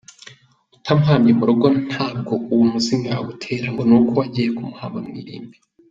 Utamuhambye mu rugo ntabwo uwo muzimu wagutera ngo ni uko wagiye kumuhamba mu irimbi.